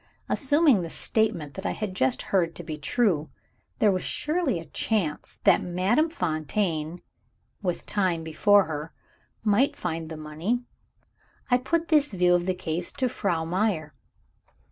Assuming the statement that I had just heard to be true, there was surely a chance that Madame Fontaine (with time before her) might find the money. I put this view of the case to Frau Meyer.